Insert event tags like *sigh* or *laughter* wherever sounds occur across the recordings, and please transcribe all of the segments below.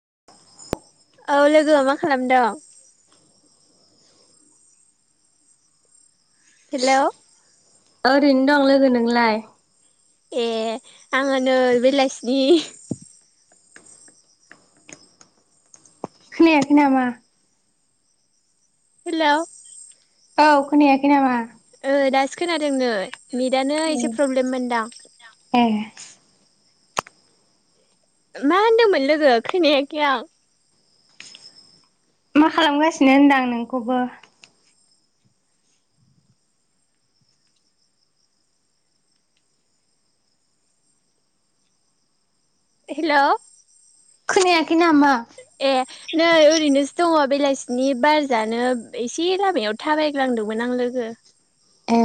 *unintelligible* औ लोगो मा खालामदों हेल' ओरैनो दं लोगो नोंलाय ए आङो नै बेलासिनि खोनायाखै नामा हेलौ औ खोनायाखै नामा ओ दासो खोनादों नै नेटनो एसे प्रब्लेममोनदां ए मा होनदोंमोन लोगो खोनायाखै आं मा खालामगासिनो होनदां नोंखौबो हेल' खोनायाखै नामा ए नै ओरैनोसो दङ। बेलासिनि बार जानो एसे लामायाव थाबायग्लांदोंमोन आं लोगो ए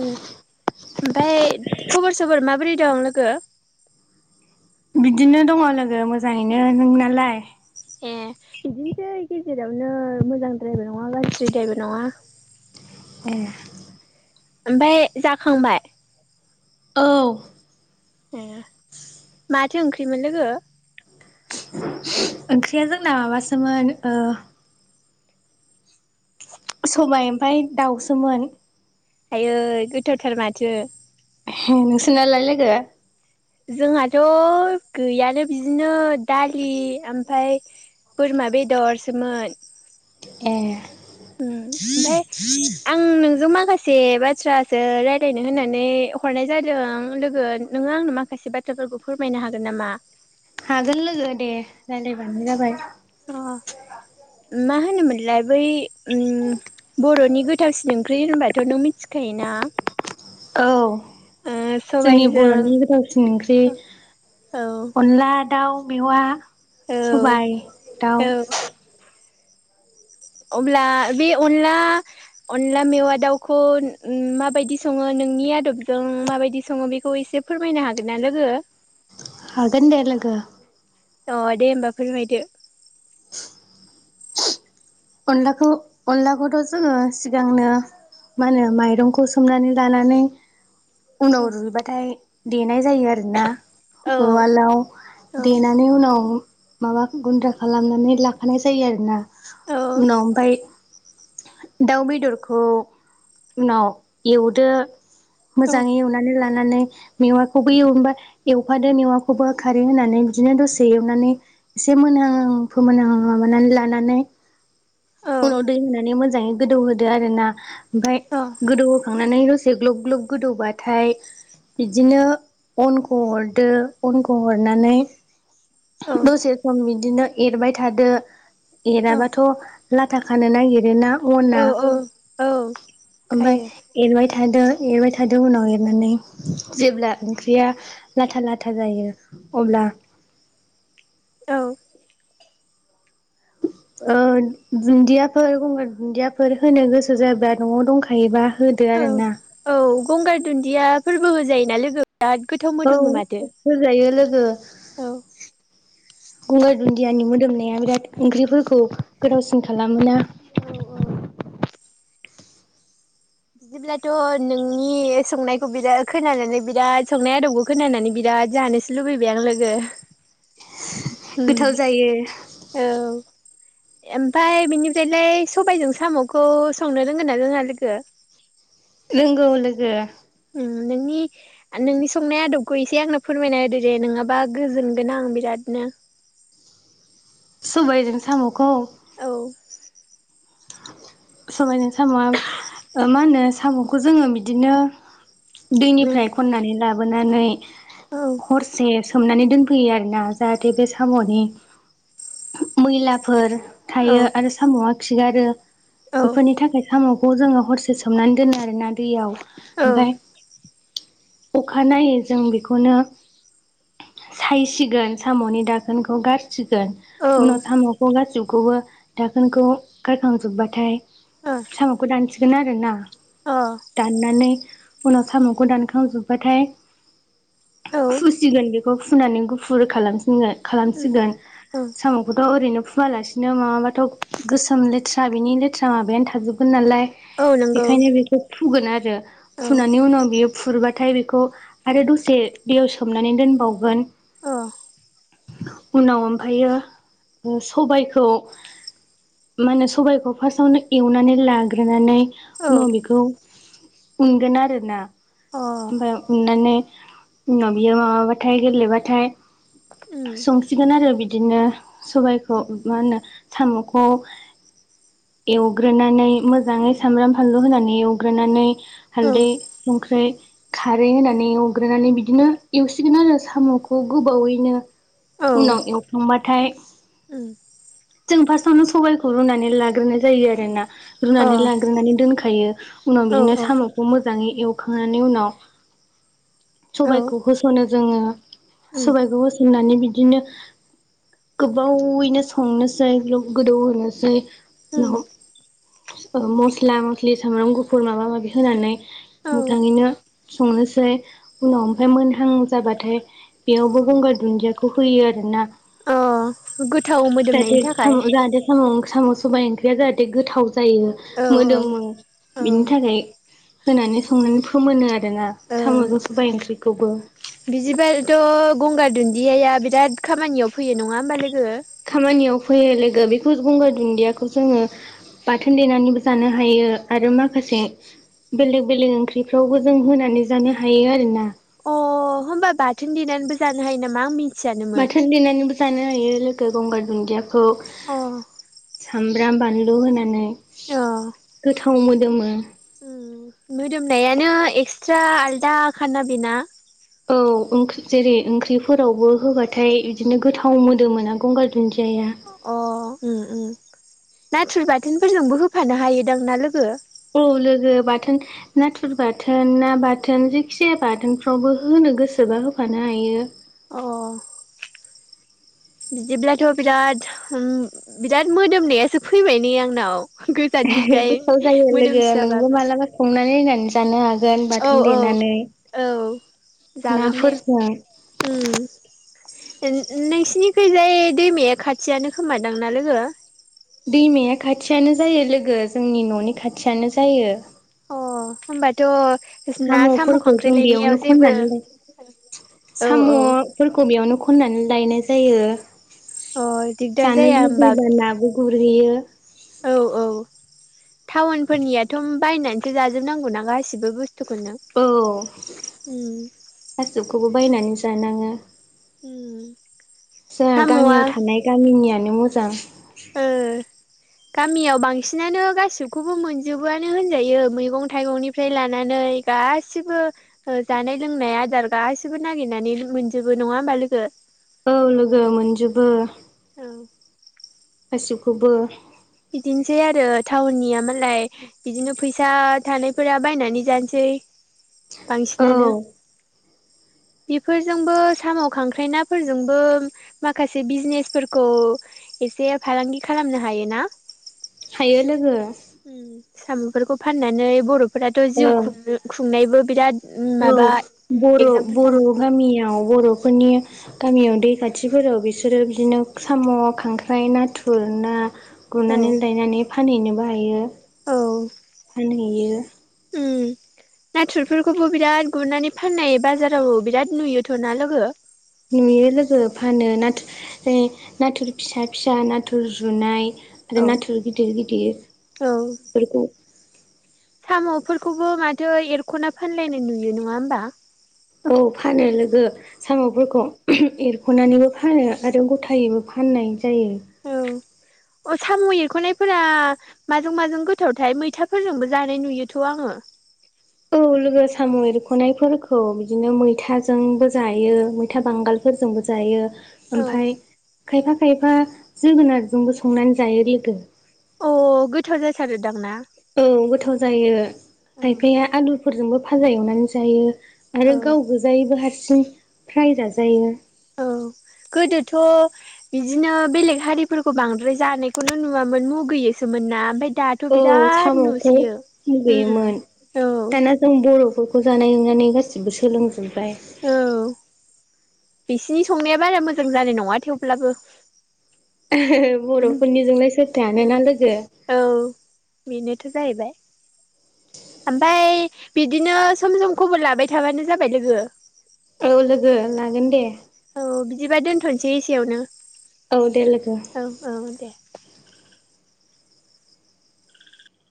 ओम ओमफाय खबर सबर माबोरै दं लोगो बिदिनो दङ लोगो मोजाङैनो नोंनालाय ए बिदिनोसै गेजेरावनो मोजां द्रायबो नङा गाज्रि द्रायबो नङा *inaudible* ए ओमफाय जाखांबाय औ ए माथो ओंख्रिमोन लोगो? ओंख्रिया जोंना माबासोमोन ओ सबाय ओमफफ्राय दाउसोमोन आयै गोथावथार माथो। नोंसानालाय लोगो जोंहाथ' गैयानो बिदिनो दालि ओमफ्राय बोरमा बेदरसोमोन । ए। उम ओमफाय आं नोंजों माखासे बाथ्रासो रायलायनो होननानै हरनाय जादों लोगो। नोङो आंनो माखासे बाथ्राफोरखौ फोरमायनो हागोन नामा? हागोन लोगो दे रायलायबानो जाबाय। लाय बै बर'नि गोथावसिन ओंख्रि होनबाथ' नों मिथिखायोना? औ। ओ जोंनि सबायजों बर'नि गोथावसिन ओंख्रि औ अनला दाउ मेवा औ सबाइ दाउ औ अब्ला बे अनला अनला मेवा दाउखौ माबायदि सङो नोंनि आदबजों माबायदि सङो बेखौ एसे एसे फोरमायनो हागोनना लोगो? हागोन दे लोगो। अ दे होमबा फोरमायदो। *inaudible* अनलाखौ अनलाखौथ' जोङो सिगांनो मा होनो माइरंखौ सोमनानै लानानै उनाव औ रुइबाथाय देनाय जायो आरोना औ । उवालाव देनानै उनाव माबा गुन्द्रा खालामनानै लाखानाय जायो आरोना औ उनाव ओमफ्राय दाउ बेदरखौ उनाव एवदो औ मोजाङै एवनानै ला नानै मेवाखौबो एवनोबा एवफादो मेवाखौबो खारै होनानै बिदिनो दसे एवनानै एसे मोनोनां फोमोनां माबानानै लानानै उनाव दै होनानै मोजाङै गोदौहोदो आरो ना ओमफाय गोदौहोखांनानै एसे ग्लब ग्लब गोदौबाथाय बिदिनो अनखौ हरदो अनखौ हरनानै दसे सम बिदिनो एरबाय थादो एराबाथ' लाथा खानो नागिरो ना अना औ औ औ ओमफाय खायो एरबाय थादो एरबाय थादो उनाव एरनानै जेब्ला ओंख्रिया लाथा लाथा जायो अब्ला बा औ। *inaudible* ओ दुन्दियाफोर गंगार दुन्दियाफोर होनो गोसो जायोबा न'आव दंखायोबा । औ औ गंगार दुन्दिया फोरबो होजायोना लोगो? बिराद गोथाव औ मोदोमो माथो होजायो लोगो। औ गंगार दुन्दियानि मोदोमनाया बिराद ओंख्रिफोर खौ गोथावसिन खालामो ना। औ औ बिदिब्लाथ' नोंनि संनायखौ बिराद खोनानानै बिराद संनाय आदबखौ खोनानानै बिराद जानोसो लुबैबाय आं लोगो गोथाव जायो औ। ओमफाय बिनिफ्रायलाय सबायजों साम'खौ संनो रोंगोन ना जोंहा लोगो? नोंगौ लोगो लोगो। नोंनि नोंनि संनाय आदबखौ एसे आंनो फोरमायना होदो दे नङाबा गोजोनगोन आं बिराद। नो सुबायजों साम'खौ औ। सबायजों साम'आ मा होनो साम'खौ जोङो बिदिनो दैनिफ्राय औ खननानै लाबोनानै हरसे सोमनानै दोनफैयो आरोना जाहाथे बे साम'नि मैलाफोर औ थायो आरो साम'आ खिगारो औ बेफोरनि थाखाय साम' खौ जोङो हरसे सोमनानै दोनो आरोना दैयाव औ ओमफफ्राय अखानायनायो जों बेखौनो सायसिगोन साम'नि दाखोनखौ गाज सिगोन औ उनाव साम'खौ गासिबखौबो दाखोनखौ गारखांजोबबाथाय अ साम'खौ दानसिगोन आरोना दाननानै उनाव साम'खौ दानखांजोबबाथाय औ फुसिगोन बे फुनानै गुफुर खालाम खालामसिगोन औ साम'खौथ' ओैनो हुवालासिनो मङाबाथ' गोसोम लेथ्रा बिनि लेथ्रा माबायानो थाजोबगोन नालाय औ नंगौ बेखायनो बेखौ फुगोन आरो औ फुनानै उनाव बेयो फुरबाथाय बेखौ आरो दसे दैयाव सोमनानै दोनबावगोन औ उनाव ओमफ्रायो सबबायखौ मा होनो सबायाइखौ फार्स्टावनो एवनानै लाग्रोनानै औ उनाव बेखौ उनगोन आरोना ओमफ्राय उननानै उनाव बियो माबाबाथाय गोरलैबाथाय संसिगोन आरो बिदि बिदिनो सबायखौ मा होनो साम'खौ एवग्रोनानै मोजाङै सामब्राम फानलु होनानै एवग्रोनानै अ हलदै संख्रि खारै होनानै एवग्रोनानै बिदिनो एवसिगोन आरो साम'खौ गोबावैनो औ उनाव एवखांबाथाय औ जों फार्स्आवनो सबाइखौ रुनानै लाग्रोनाय जायो आरो ना रुनानै अ लांग्रोनानै दोनखायो उनाव औ बिदिनो औ साम'खौ मोजाङै एव खांनायनि उनाव सबायाइखौ होस'नो जोङो उम सबायखौ होसोमनानै बिदिनो गोबावैनो संनोसै गोदौ होनोसै उम उनाव मस्ला मस्लि सामब्राम गुफुर माबा माबि होनानै औ मोजाङैनो संनोसै उनाव ओमफफ्राय मोनहां जाबाथाय बेयावबो गंगार दुन्दियाखौ होयो आरोना अ गोथाव जाहाथे मोदोमनायनि थाखाय साम जाहाथे साम सबाइ ओंख्रिया जाहाथे गोथाव जायो औ मोदोमो औ बिनि थाखाय होनानै संनानै फोमोनो आरो *unintelligible* ना ओ साम'जों सबाय ओंख्रिखौबो ए आइ मा बिराद खामानियाव फैयो नङा होमबा लोग खामानियाव फैयो लोगो बेखौ गंगार दुन्दियाखौ जोङो बाथोन देनानैबो जानो हायो आरो माखासे बेलेग बेलेग ओंख्रिफ्रावबो जों होनानै जानो हायो आरोना अ होमबा बाथोन दनानैबो जानो हायो नामा आं मि माथो लिरनानैबो जानो हायो लोगो गंगार दुन्दियाखौ अ सामब्राम बानलु होनानै अ गोथाव मोदोमो मोदोमनायानो एक्सट्रा आलदा खाना बेना? औ ओंख्रि जेरै ओंख्रिफोरावबो होबाथाय बिदिनो गोथाव मोदोम मोना गंगार दुन्दि अ ओम ओम नाथुर बाथोनफोरजोंबो होफानो हायोदां ना लोगो? औ लोगो बाथोन नाथुर बाथोन ना बाथोन जायखिजाया बाथोनफ्रावबो हो गोसोबा होफानो हायो। अ बिदिब्लाथ' बिराद उम बिराद मोदोमनायासो फैबाय नै आंनाव *unintelligible* गोजाननिफ्राय गोथाव जायो लोगो नोंबो मोदोमसोआबाबो मालाबा संनानै नायनानै जानो हा गोन औ बाथोन औ देनानै औ जागोन दे नाफोरजों उम । नोंसिनिखैजाय दैमाया खाथियानो खोमादांना लोगो? दैमाया खाथियानो जायो लोगो जोंनि न'नि खाथियानो जायो । अ होमबाथ' ना साम' साम'फोरखौ खांख्राइ जों लायनायाव बेयावनो जेबो खननानै औ औ साम'फोरखौ बेयावनो खन खननानै लायनाय जायो अ दिगदार जानो जाया होमबा लुबैबा नाबो गुरहैयो । औ औ टाउनफोरनियाथ' बायनानैसो जाजोबनांगौना गासिबो बुस औ गासिबखौबो बायनानै जानाङो उम जोंहा साम'आ गामियाव थानाय गामिनियानो मोजां । ओ गामियाव बांसिनानो गासिबखौबो मोनजोबोआनो होनजायो मैगं थाइगंनिफ्राय लानानै नै गासिबो ओ जानाय लोंनाय आदार गासैबो नागिरनानै मोनजोबो नङा होमबा लोगो? औ लोगो मोनजोबो औ गासिबखौबो । बिदिनोसै आरो टाउननिया मालाय बिदिनो फैसा थानायफोरा बायनानै जानोसै औ बांसिनानो बेफोरजोंबो साम' खांख्राय नाफोरजोंबो माखासे बिजनेसफोरखौ एसे फालांगि खालामनो हायो ना हायो लोगो । सामुफोरखौ फाननानै बर'फोराथ' औ जिउ खुंनो खुंनायबो बिराद औ माबा बर' एगजामपोल बर' दं गामियाव बर'फोरनि गामियाव दै खाथिफोराव बिसोरो बिदिनो साम', खांख्राय, नाथुर, ना औ गुरनानै लायनानै फानहैनोबो हायो औ फानहैयो । उम नाथुरफोरखौबो बिराद गुरनानै फाननाय बाजाराव बिराद नुयोथ'ना लोगो? नुयो लोगो फानो नाथुर नाथुर फिसा फिसा नाथुर जुनाय। आरो औ नाथुर गिदिर गिदिर औ फोरखौ साम'फोरखौबो माथो एरख'ना फानलायनाय नुयो नङा होमबा? औ फानो लोगो साम'फोरखौ एर ख'नानैबो फानो आरो ग'थायैबो फाननाय जायो। औ अ साम' एरख'नायफोरा माजों माजों गोथावथाय मैथाफोरजोंबो जानाय नुयोथ' आङो । औ *unintelligible* लोगो साम' एरख'नायफोरखौ बिदिनो मैथाजोंबो जायो मैथा बांगालफोरजोंबो जायो । औ ओमफाय खायफा खायफा जोगोनारजोंबो संनानै जायो लोगो। अ गोथाव जासारोदां ना? औ गोथाव जायो औ खायफाया आलुफोरजोंबो फाजा एवनानै जायो । आरो औ गाव गोजायैबो हारसिं फ्राय जाजायो । औ गोदोथ' बिदिनो बेलेग हारिफोरखौ बांद्राय जानायखौनो नुवा मोन मुगैयोसोमोन ना ओमफाय औ साम'खौ मुगैयोमोन औ दाना जों बर'फोरखौ जानाय नानै गासिबबो सोलोंजोब औ । बिसिनि संनाया बारा मोजां जानाय नङा थेवब्लाबो । *unintelligible* बर'फोरनिजोंलाय सोरथो हानोना लोगो । थ' जाहैबाय। ओमफाय बिदिनो सम सम खबर लाबाय थाबानो जाबाय लोगो । औ लोगो लागोन दे । दिबा दोनथ'नोसै एसेयावनो। औ दे लोगो । औ औ दे ।